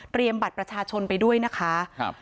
บัตรประชาชนไปด้วยนะคะครับ